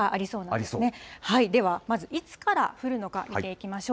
では、まずいつから降るのか、見ていきましょう。